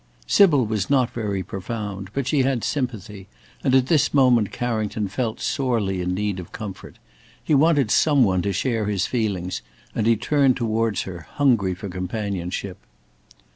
Sybil was not very profound, but she had sympathy, and at this moment Carrington felt sorely in need of comfort. He wanted some one to share his feelings, and he turned towards her hungry for companionship.